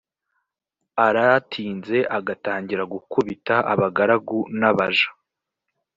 aratinze agatangira gukubita abagaragu n abaja